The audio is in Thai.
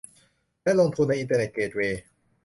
และลงทุนในอินเทอร์เน็ตเกตเวย์